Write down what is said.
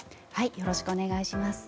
よろしくお願いします。